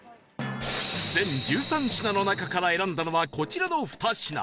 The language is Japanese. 全１３品の中から選んだのはこちらの２品